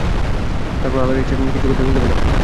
তারপর আল্লাহর ইচ্ছায় কিছু কথা শুনতে পেলাম।